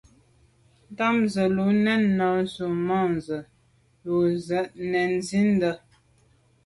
Tɑ́mə̀ zə ù lɛ̌nə́ yù môndzə̀ ú rə̌ nə̀ zí’də́.